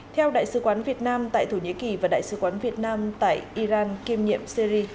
theo đại sứ quán việt nam tại thổ nhĩ kỳ và đại sứ quán việt nam tại iran kiêm nhiệm syri